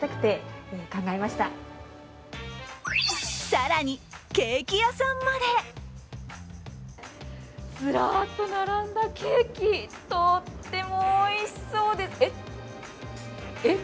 更にケーキ屋さんまでずらっと並んだケーキ、とってもおいしそうでえっ？